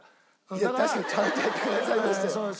いや確かにちゃんとやってくださいましたよ。